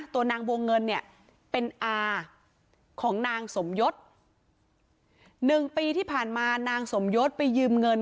ตัวนางวงเงินเนี่ยเป็นอาของนางสมยศ๑ปีที่ผ่านมานางสมยศไปยืมเงิน